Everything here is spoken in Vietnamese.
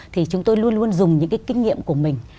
thì chúng tôi luôn luôn dùng những cái kinh nghiệm của mình